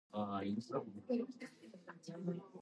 いつもどうりの君でいてね